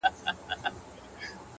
• تر اسمانه وزرونه د ختلو ,